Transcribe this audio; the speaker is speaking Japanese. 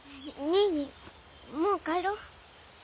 ニーニーもう帰ろう。